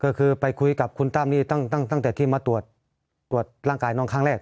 ก็คือไปคุยกับคุณตั้มนี่ตั้งแต่ที่มาตรวจร่างกายน้องครั้งแรก